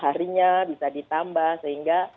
harinya bisa ditambah sehingga